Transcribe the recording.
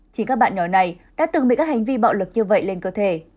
chính các bạn nhỏ này đã từng bị các hành vi bạo lực như vậy lên cơ thể